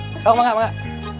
oh enggak enggak